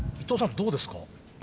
どうですか？